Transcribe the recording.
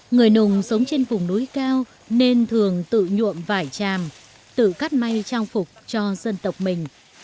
người nùng sống trên vùng núi cao nên thường tự nhuộm vải tràm tự cắt may trang phục cho dân tộc mình